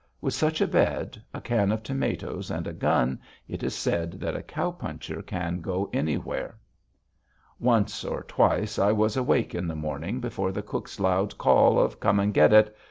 With such a bed, a can of tomatoes, and a gun, it is said that a cow puncher can go anywhere. Once or twice I was awake in the morning before the cook's loud call of "Come and get it!"